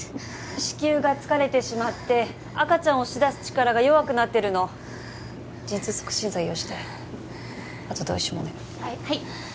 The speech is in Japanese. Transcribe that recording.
子宮が疲れてしまって赤ちゃん押し出す力が弱くなってるの陣痛促進剤用意してあと同意書もお願いはい